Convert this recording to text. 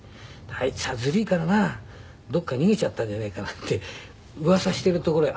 「あいつはズリいからなどこか逃げちゃったんじゃねえかな」ってうわさしているところへ